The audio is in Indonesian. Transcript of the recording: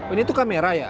ini tuh kamera ya